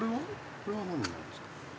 これはなんなんですか？